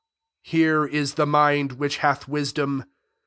■ 9 Here i« the mind which hath wisdom.